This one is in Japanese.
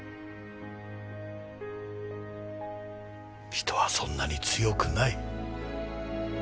人はそんなに強くない。